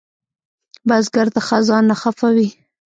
بزګر د خزان نه خفه وي